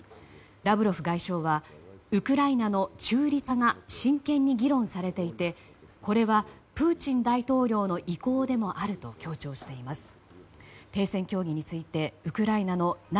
ラブロフ外相はウクライナの中立化が真剣に議論されていてこれはプーチン大統領の意向でもあると強調しています。